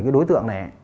cái đối tượng này